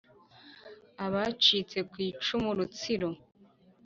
Abacitse ku icumu rutsiro